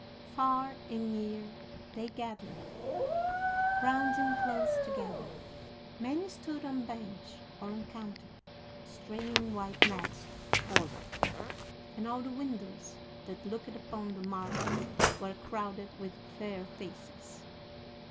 Far and near they gathered, crowding close together; many stood on bench or on counter, straining white necks forward; and all the windows that looked upon the market were crowded with fair faces.